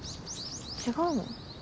違うの？